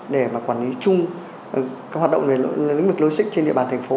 để mà quản lý chung các hoạt động về lĩnh vực logistics trên địa bàn thành phố